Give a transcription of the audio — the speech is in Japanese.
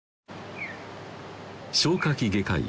消化器外科医